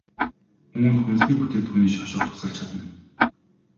Үүнд хүнсний бүтээгдэхүүний шошго тусалж чадна.